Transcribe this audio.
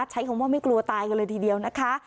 ใช้คำว่าไม่กลัวตายกันเลยทีเดียวนะคะ